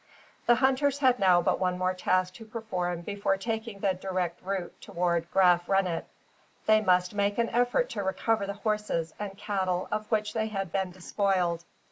The hunters had now but one more task to perform before taking the direct route towards Graaf Reinet. They must make an effort to recover the horses and cattle of which they had been despoiled.